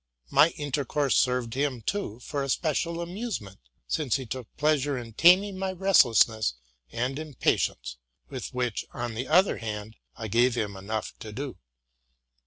My intercourse served him, too, for a special amusement ; since he took pleas ure in taming my restlessness and impatience, with which, on the other hand, I gave him enough to do.